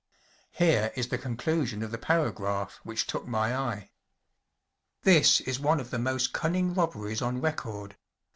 Here is the conclusion of the paragraph which took my eye : “ This is one of the most cunning robberies on record.